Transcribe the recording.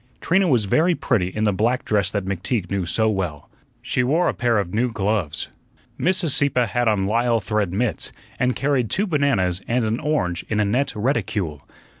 Trina was very pretty in the black dress that McTeague knew so well. She wore a pair of new gloves. Mrs. Sieppe had on lisle thread mits, and carried two bananas and an orange in a net reticule.